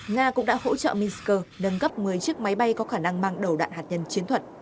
nga cũng đã hỗ trợ minsk nâng gấp một mươi chiếc máy bay có khả năng mang đầu đạn hạt nhân chiến thuật